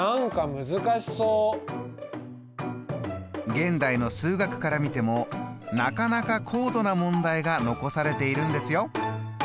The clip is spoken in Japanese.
現代の数学から見てもなかなか高度な問題が残されているんですよ！